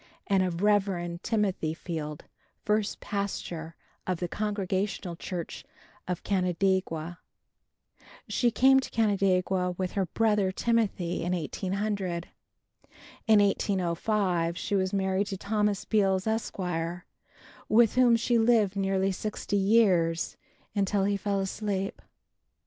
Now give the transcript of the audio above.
and of Rev. Timothy Field, first pastor of the Congregational church of Canandaigua. She came to Canandaigua with her brother, Timothy, in 1800. In 1805 she was married to Thomas Beals, Esq., with whom she lived nearly sixty years, until he fell asleep.